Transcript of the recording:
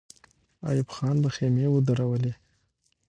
ایوب خان به خېمې ودرولي.